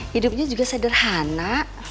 hidupnya juga sederhana